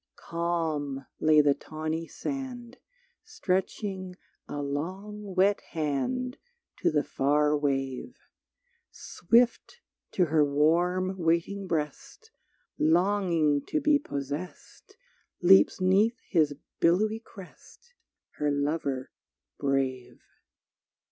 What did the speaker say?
Calm lay the tawny sand Stretching a long wet hand To the far wave. Swift to her warm waiting breast Longing to be possessed Leaps 'neath his billowy crest Her Lover brave.